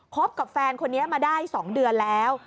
กับแฟนคนนี้มาได้๒เดือนแล้ว